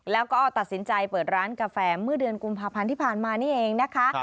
แล้วก็ตัดสินใจเปิดร้านกาแฟเมื่อเดือนกุมภาพันธ์ที่ผ่านมานี่เองนะคะ